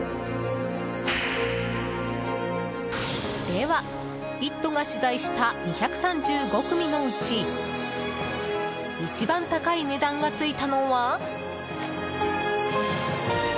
では「イット！」が取材した２３５組のうち一番高い値段がついたのは？